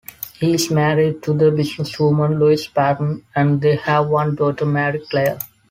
He is married to the businesswoman Louise Patten and they have one daughter, Mary-Claire.